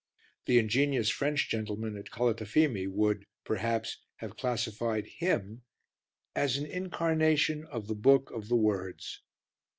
The ingenious French gentleman at Calatafimi would, perhaps, have classified him as an incarnation of the book of the words.